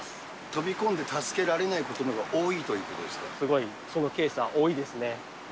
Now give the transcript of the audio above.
飛び込んで助けられないということのほうが多いということですごい、そのケースは多いですね。